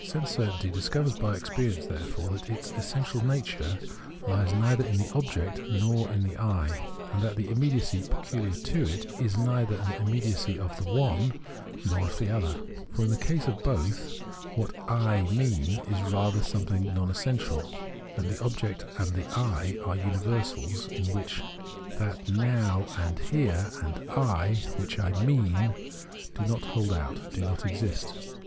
Sense certainty discovers by_ej; perimce, therefore, that its essential nature lies neither in the object nor * Cf. Encvclo. § 250. Sense certainty 97 in the I ; and that the immediacy pecuhar to it is neither an immediacy of the one nor of the other. For, in the case of both, what I "mean" is rather something non essential ; and the object and the I are universals, in which that Now and Here and I, which I "mean," do not hold out, do not exist.